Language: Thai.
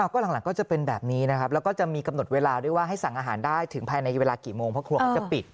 ก็หลังก็จะเป็นแบบนี้นะครับแล้วก็จะมีกำหนดเวลาด้วยว่าให้สั่งอาหารได้ถึงภายในเวลากี่โมงเพราะครัวเขาจะปิด